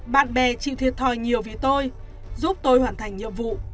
bạn bè chịu thiệt thòi nhiều với tôi giúp tôi hoàn thành nhiệm vụ